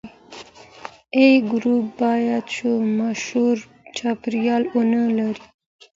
A ګروپ باید شورماشور چاپیریال ونه لري.